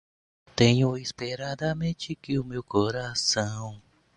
Um angel investor apoiou nossa startup desde o início.